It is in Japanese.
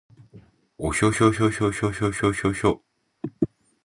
おひょひょひょひょひょひょ